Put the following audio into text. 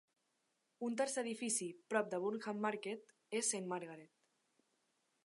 Un tercer edifici prop de Burnham Market és Saint Margaret.